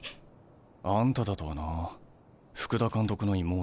あんただとはな福田監督の妹。